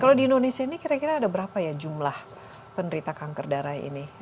kalau di indonesia ini kira kira ada berapa ya jumlah penderita kanker darah ini